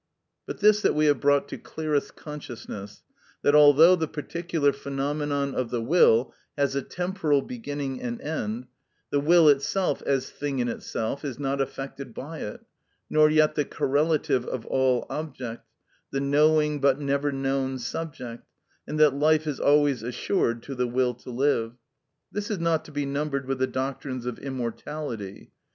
But this that we have brought to clearest consciousness, that although the particular phenomenon of the will has a temporal beginning and end, the will itself as thing in itself is not affected by it, nor yet the correlative of all object, the knowing but never known subject, and that life is always assured to the will to live—this is not to be numbered with the doctrines of immortality.